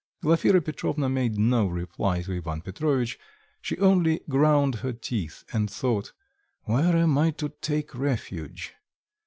Glafira Petrovna made no reply to Ivan Petrovitch; she only ground her teeth and thought: "Where am I to take refuge?"